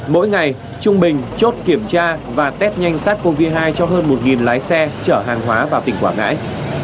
mỗi ngày trung bình chốt kiểm tra và test nhanh sát covid một mươi chín cho hơn một lái xe chở hàng hóa vào tỉnh quảng ngãi